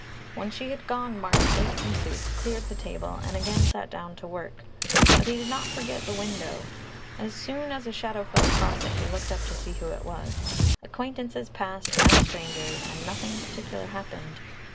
When she had gone Martin ate some soup, cleared the table, and again sat down to work. But he did not forget the window. As soon as a shadow fell across it, he looked up to see who it was. Acquaintances passed and strangers, and nothing particular happened.